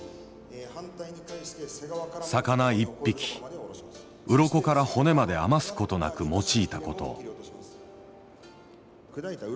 魚１匹うろこから骨まで余す事なく用いた事。